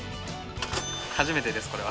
初めてですこれは。